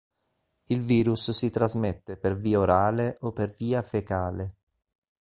Il virus si trasmette per via orale o per via fecale.